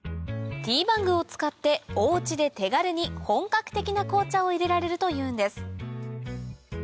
ティーバッグを使ってお家で手軽に本格的な紅茶を入れられるというんです